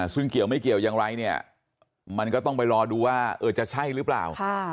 ซึ่งเกี่ยวไม่เกี่ยวอย่างไรเนี่ยมันก็ต้องไปรอดูว่าจะใช่หรือเปล่า